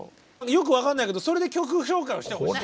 よく分かんないけどそれで曲紹介をしてほしいと。